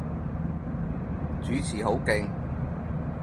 主持好勁